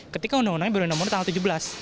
ketika undang undangnya baru nomor tanggal tujuh belas